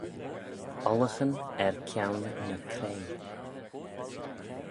Ollaghyn er kione ny cray.